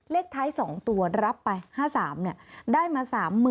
เลขท้าย๒ตัวรับไป๕๓ได้มา๓๐๐๐